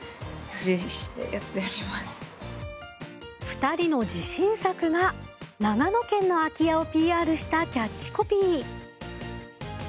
２人の自信作が長野県の空き家をＰＲしたキャッチコピー。